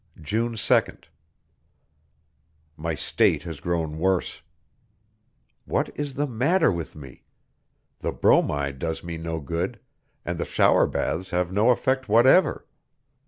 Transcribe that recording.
June 2d. My state has grown worse. What is the matter with me? The bromide does me no good, and the shower baths have no effect whatever.